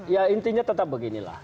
ya intinya tetap beginilah